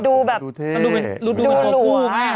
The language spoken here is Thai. ดูเหลือคู่